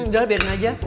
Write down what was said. gila biarin aja